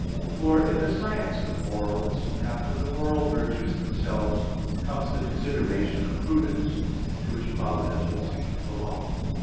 For in the science of morals, after the moral virtues themselves, comes the consideration of prudence, to which providence would seem to belong.